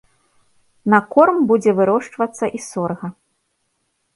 На корм будзе вырошчвацца і сорга.